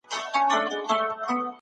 پوه سړی خپله دنده په اخلاص ترسره کوي.